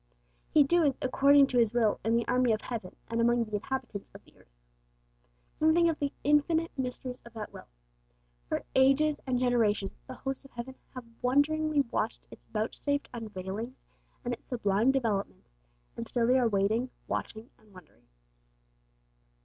'He doeth according to His will in the army of heaven, and among the inhabitants of the earth.' Then think of the infinite mysteries of that will. For ages and generations the hosts of heaven have wonderingly watched its vouchsafed unveilings and its sublime developments, and still they are waiting, watching, and wondering.